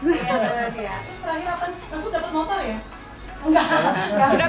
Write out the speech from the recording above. iya jelas ya